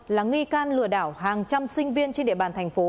là nghi can lừa đảo hàng trăm sinh viên trên địa bàn thành phố